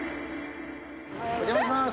お邪魔します。